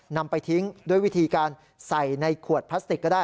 นำไปทิ้งด้วยวิธีการใส่ในขวดพลาสติกก็ได้